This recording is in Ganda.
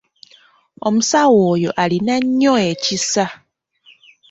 Omusawo oyo alina nnyo ekisa.